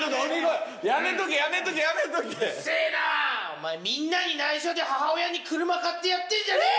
お前みんなに内緒で母親に車買ってやってんじゃねえよ！